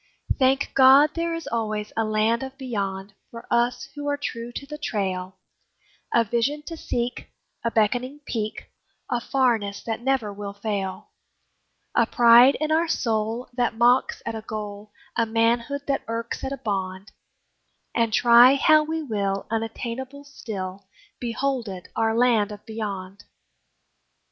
Thank God! there is always a Land of Beyond For us who are true to the trail; A vision to seek, a beckoning peak, A farness that never will fail; A pride in our soul that mocks at a goal, A manhood that irks at a bond, And try how we will, unattainable still, Behold it, our Land of Beyond!